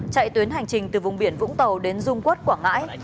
chạy tuyến hành trình từ vùng biển vũng tàu đến dung quất quảng ngãi